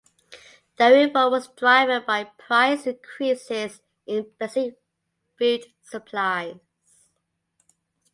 The revolt was driven by price increases in basic food supplies.